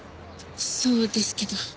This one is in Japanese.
そうですけど。